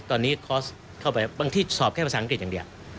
ตอนนี้คอร์สเข้าไปบางที่สอบแค่ภาษาอังกฤษอย่างเดียว